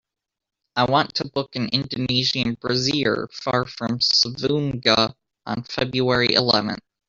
I want to book a indonesian brasserie far from Savoonga on february eleventh.